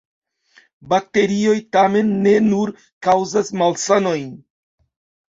Bakterioj tamen ne nur kaŭzas malsanojn.